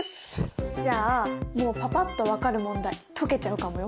じゃあもうパパっと分かる問題解けちゃうかもよ。